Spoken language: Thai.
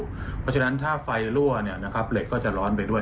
เพราะฉะนั้นถ้าไฟรั่วเหล็กก็จะร้อนไปด้วย